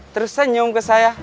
terus senyum ke saya